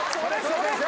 先生！